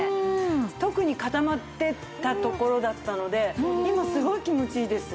特に固まっていたところだったので今すごい気持ちいいです。